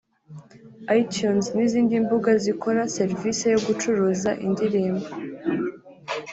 Itunes n’izindi mbuga zikora serivisi yo gucuruza indirimbo